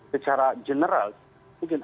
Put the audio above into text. secara general mungkin